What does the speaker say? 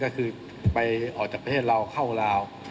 ก็คือไปออกจากประเทศเราเข้าลาว